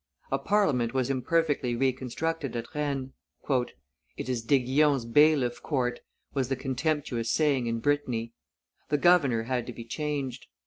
A Parliament was imperfectly reconstructed at Rennes. "It is D'Aiguillon's bailiff court," was the contemptuous saying in Brittany. The governor had to be changed.